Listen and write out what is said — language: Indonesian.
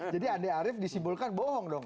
andi arief disimpulkan bohong dong